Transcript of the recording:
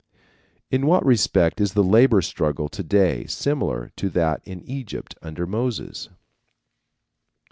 '" In what respect is the labor struggle to day similar to that in Egypt under Moses?